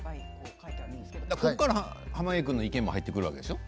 ここから濱家君の意見も入ってくるでしょう？